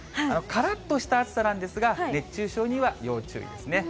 からっとした暑さなんですが、熱中症には要注意ですね。